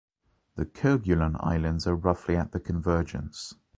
The Kerguelen Islands are roughly at the convergence.